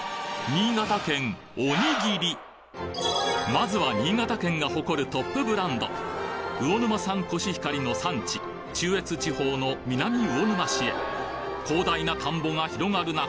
まずは新潟県が誇るトップブランド魚沼産コシヒカリの産地中越地方の南魚沼市へ広大な田んぼが広がる中